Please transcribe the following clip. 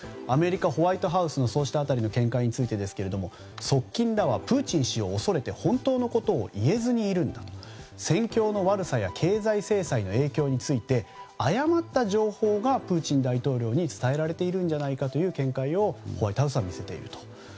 アメリカのホワイトハウスもその辺りの見解についてですが側近らはプーチン氏を恐れて本当のことを言えずにいるんだ戦況の悪さや経済制裁の影響について誤った情報がプーチン大統領に伝えられているんじゃないかという見解をホワイトハウスは見せていると。